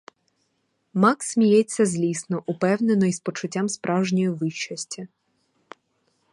Макс сміється злісно, упевнено й з почуттям справжньої вищості.